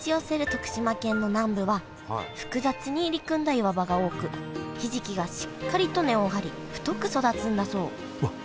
徳島県の南部は複雑に入り組んだ岩場が多くひじきがしっかりと根を張り太く育つんだそううわっ